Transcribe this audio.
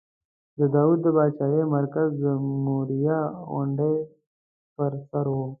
د داود د پاچاهۍ مرکز د موریا غونډۍ پر سر و.